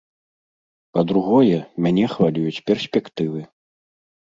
Па-другое, мяне хвалююць перспектывы.